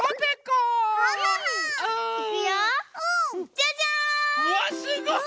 うわすごい！